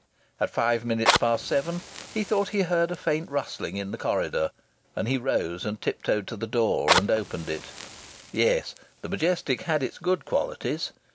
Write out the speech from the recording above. At five minutes past seven he thought he heard a faint rustling noise in the corridor, and he arose and tiptoed to the door and opened it. Yes, the Majestic had its good qualities!